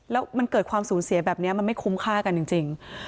แล้วมันเกิดความสูญเสียแบบนี้มันไม่คุ้มค่ากันจริง